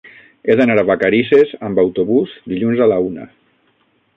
He d'anar a Vacarisses amb autobús dilluns a la una.